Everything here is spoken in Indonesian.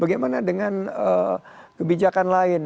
bagaimana dengan kebijakan lain